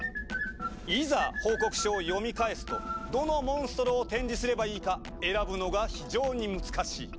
いざ報告書を読み返すとどのモンストロを展示すればいいか選ぶのが非常に難しい。